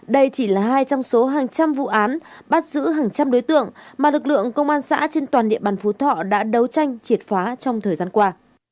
đây chỉ là hai trong số hàng trăm vụ án bắt giữ hàng trăm đối tượng mà lực lượng công an xã trên toàn địa bàn phú thọ đã đấu tranh triệt phá trong thời gian qua